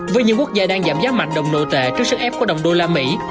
với những quốc gia đang giảm giá mạnh đồng nội tệ trước sức ép của đồng đô la mỹ